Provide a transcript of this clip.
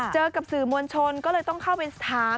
เจอกับสื่อมวลชนก็เลยต้องเข้าเว็นสถานการณ์